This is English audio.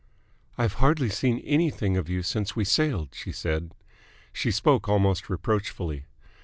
"I've hardly seen anything of you since we sailed," she said. She spoke almost reproachfully.